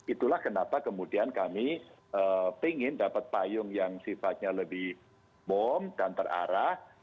itulah kenapa kemudian kami ingin dapat payung yang sifatnya lebih bom dan terarah